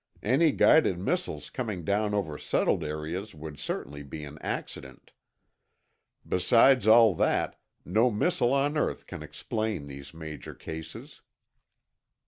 Any guided missiles coming down over settled areas would certainly be an accident. Besides all that, no missile on earth can explain these major cases."